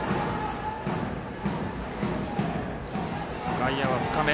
外野は深め。